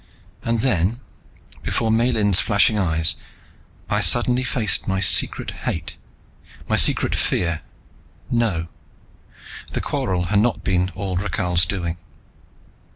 And then, before Miellyn's flashing eyes, I suddenly faced my secret hate, my secret fear. No, the quarrel had not been all Rakhal's doing.